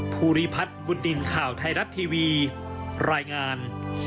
ภูริพัฒน์บุญดินข่าวไทยรัฐทีวีรายงาน